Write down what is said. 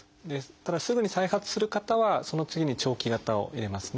ただすぐに再発する方はその次に長期型を入れますね。